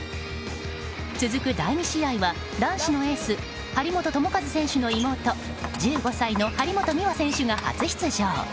続く第２試合は男子のエース張本智和選手の妹１５歳の張本美和選手が初出場。